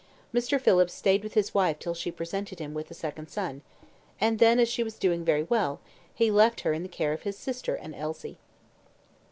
Mr. Phillips stayed with his wife till she presented him with a second son, and then, as she was doing very well, he left her in the care of his sister and Elsie.